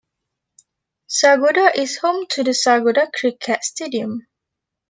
Sargodha is home to the Sargodha Cricket Stadium.